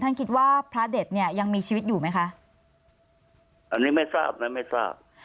คิดว่าพระเด็ดเนี่ยยังมีชีวิตอยู่ไหมคะอันนี้ไม่ทราบนะไม่ทราบ